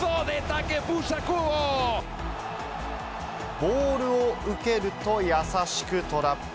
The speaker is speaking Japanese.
ボールを受けると、優しくトラップ。